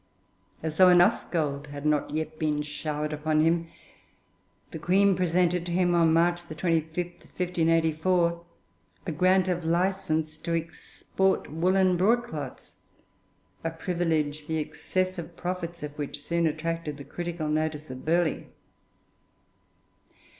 As though enough gold had not yet been showered upon him, the Queen presented to him, on March 25, 1584, a grant of license to export woollen broad cloths, a privilege the excessive profits of which soon attracted the critical notice of Burghley.